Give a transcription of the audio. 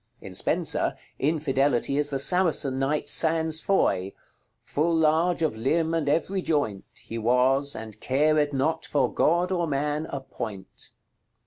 In Spenser, Infidelity is the Saracen knight Sans Foy, "Full large of limbe and every joint He was, and cared not for God or man a point."